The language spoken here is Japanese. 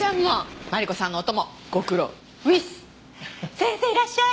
先生いらっしゃい！